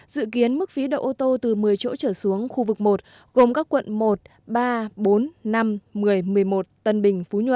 dự kiến mức phí đậu ô tô từ một mươi chỗ trở xuống khu vực một gồm các quận một ba bốn năm một mươi một mươi một tân bình phú nhuận